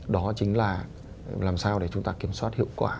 đó chính là làm sao để chúng ta kiểm soát hiệu quả